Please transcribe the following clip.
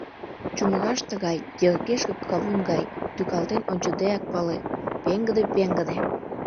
Чумыраш тыгай — йыргешке кавун гай, тӱкалтен ончыдеак пале: пеҥгыде-пеҥгыде.